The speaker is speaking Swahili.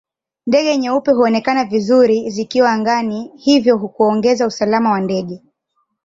Ndege nyeupe huonekana vizuri zikiwa angani hivyo kuongeza usalama wa ndege